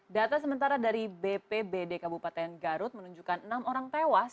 data sementara dari bpbd kabupaten garut menunjukkan enam orang tewas